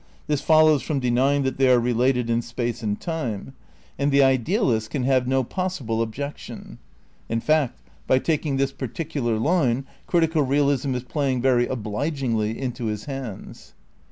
This fol lows from denying that they are related in space and time; and the idealist can have no possible objection; in fact, by taking this particular line critical realism is playing very obligingly into his hands.